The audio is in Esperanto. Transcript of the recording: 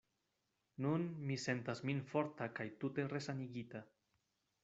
Nun mi sentas min forta kaj tute resanigita.